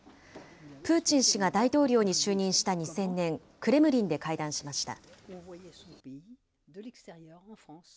プーチン氏が大統領に就任した２０００年、クレムリンで会談しました。